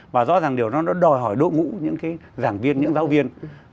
và rõ ràng điều nó đòi hỏi đội ngũ những cái giảng viên những giáo viên